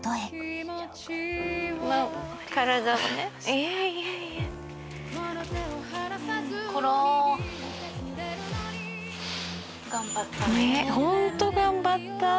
ホント頑張った。